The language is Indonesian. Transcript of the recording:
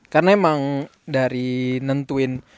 karena emang dari nentuin